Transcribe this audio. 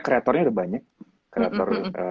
kreatornya udah banyak kreator